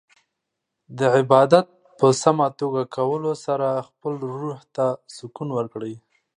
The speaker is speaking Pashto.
د عبادت په سمه توګه کولو سره خپل روح ته سکون ورکړئ.